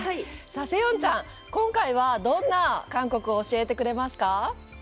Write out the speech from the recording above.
セヨンちゃん、今回はどんな韓国を教えてくれますか？